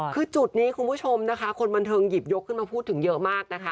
คือจุดนี้คุณผู้ชมนะคะคนบันเทิงหยิบยกขึ้นมาพูดถึงเยอะมากนะคะ